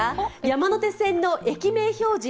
山手線の駅名標示。